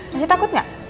masih takut gak